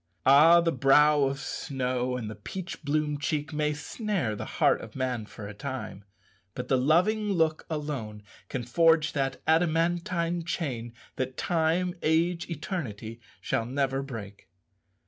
Ah! the brow of snow and the peach bloom cheek may snare the heart of man for a time, but the loving look alone can forge that adamantine chain that time, age, eternity shall never break.